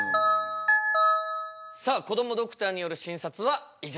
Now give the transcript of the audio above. さあこどもドクターによる診察は以上です。